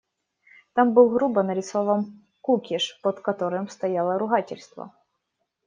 Там был грубо нарисован кукиш, под которым стояло ругательство.